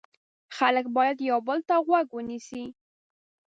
خلک باید یو بل ته غوږ ونیسي.